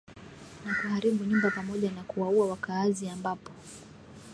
na kuharibu nyumba pamoja na kuwaua wakaazi ambapo